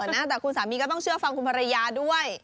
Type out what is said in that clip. แต่คุณสามีก็ต้องเชื่อฟังคุณภรรยาด้วย